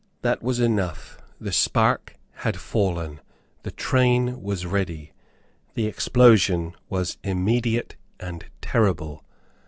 That was enough; the spark had fallen; the train was ready; the explosion was immediate and terrible.